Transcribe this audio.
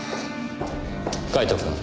カイトくん。